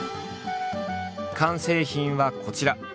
完成品はこちら。